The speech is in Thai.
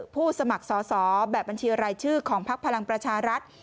สมัครสอบแบบบัญชีรายชื่อของพักพลังประชารัฐ